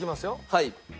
はい。